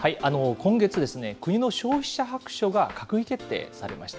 今月、国の消費者白書が閣議決定されました。